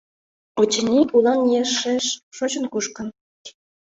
Очыни, улан ешеш шочын-кушкын.